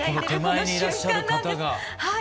手前にいらっしゃる方が。